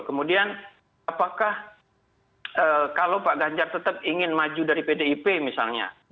kemudian apakah kalau pak ganjar tetap ingin maju dari pdip misalnya